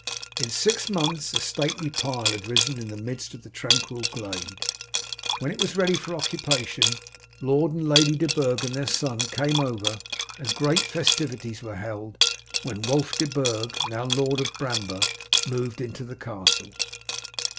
In six months a stately pile had risen in the midst of the tranquil glade. When it was ready for occupation Lord and Lady de Burg and their son came over, and great festivities were held when Wulf de Burg (now Lord of Bramber) moved into the castle.